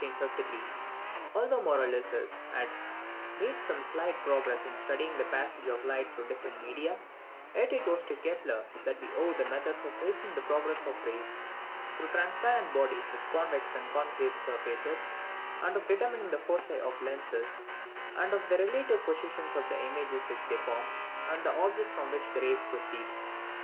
Although Maurolycus had made some slight progress in studying the passage of light through different media, yet it is to Kepler that we owe the methods of tracing the progress of rays through transparent bodies with convex and concave surfaces, and of determining the foci of lenses, and of the relative positions of the images which they form, and the objects from which the rays proceed.